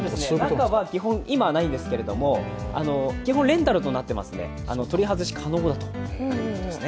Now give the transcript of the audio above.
中は今はないんですけども、基本レンタルとなっていますので、取り外し可能だということですね。